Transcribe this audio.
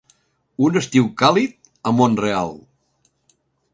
Un estiu càlid a Mont-real.